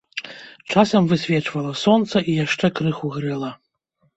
Часам высвечвала сонца і яшчэ крыху грэла.